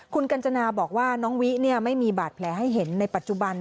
คุณกัญจนาบอกว่าน้องวิไม่มีบาดแผลให้เห็นในปัจจุบัน